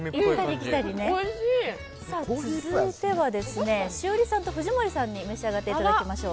続いては、栞里さんと藤森さんに召し上がっていただきましょう。